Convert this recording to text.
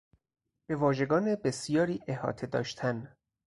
به واژگان بسیاری احاطه داشتن